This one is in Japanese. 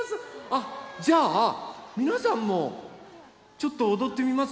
あっじゃあみなさんもちょっとおどってみます？